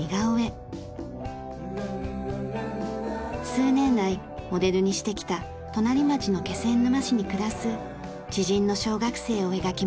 数年来モデルにしてきた隣町の気仙沼市に暮らす知人の小学生を描きます。